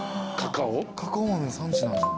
カカオ豆の産地なんじゃ。